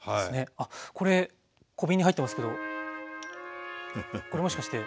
あっこれ小瓶に入ってますけどこれもしかして。